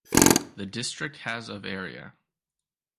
The district has of area.